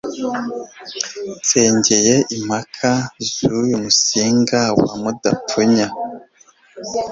Nsongere impaka z'uyu Musinga wa Mudapfunya